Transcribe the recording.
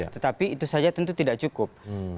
tetapi itu saja tentu tidak cukup